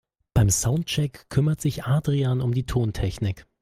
Beim Soundcheck kümmert sich Adrian um die Tontechnik.